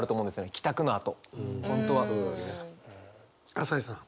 朝井さん。